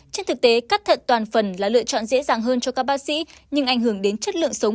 trên thực tế cắt thận toàn phần là lựa chọn dễ dàng hơn cho các bác sĩ nhưng ảnh hưởng đến chất lượng sống